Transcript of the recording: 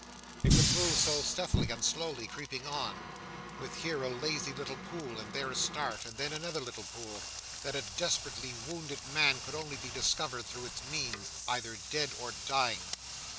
It would move so stealthily and slowly, creeping on, with here a lazy little pool, and there a start, and then another little pool, that a desperately wounded man could only be discovered through its means, either dead or dying.